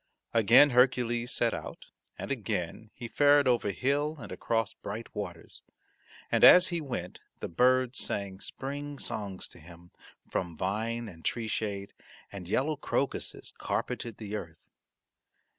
Again Hercules set out, and again he fared over hill and across bright waters, and as he went the birds sang spring songs to him from vine and tree shade, and yellow crocuses carpeted the earth.